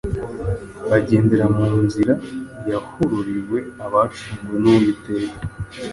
bagendera mu nzira yaharuriwe abacunguwe n’uwiteka.